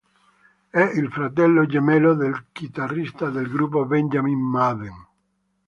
È il fratello gemello del chitarrista del gruppo, Benjamin Madden.